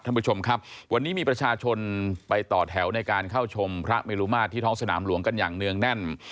ท่านผู้ชมครับวันนี้มีประชาชนไปต่อแถวในการเข้าชมพระเมลุมาตรที่ท้องสนามหลวงกันอย่างเนื่องแน่น